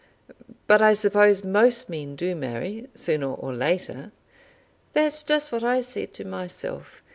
But I suppose most men do marry sooner or later." "That's just what I said to myself.